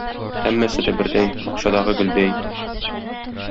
Һәммәсе дә бердәй, бакчадагы гөлдәй.